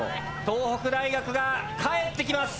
東北大学が帰ってきます。